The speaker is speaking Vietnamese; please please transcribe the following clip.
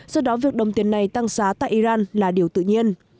do đó việc đồng tiền này tăng giá tại iran là điều tự nhiên